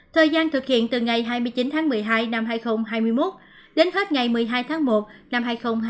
thời gian thực hiện từ ngày hai mươi chín tháng một mươi hai năm hai nghìn hai mươi một đến hết ngày một mươi hai tháng một năm hai nghìn hai mươi